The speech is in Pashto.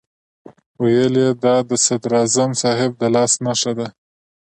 ویل یې دا د صدراعظم صاحب د لاس نښه ده.